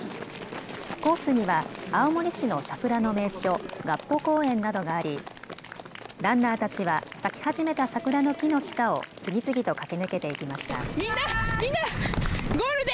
コースには青森市の桜の名所、合浦公園などがありランナーたちは咲き始めた桜の木の下を次々と駆け抜けていきました。